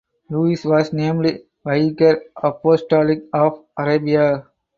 Louis was named Vicar Apostolic of Arabia.